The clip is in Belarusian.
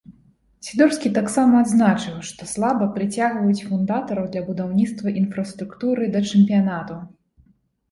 Сідорскі таксама адзначыў, што слаба прыцягваюць фундатараў для будаўніцтва інфраструктуры да чэмпіянату.